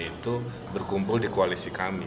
itu berkumpul di koalisi kami